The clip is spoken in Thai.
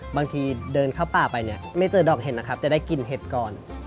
บางทีเดินเข้าป่าไปไม่เจอดอกเห็นแต่ได้กินเห็ดก่อน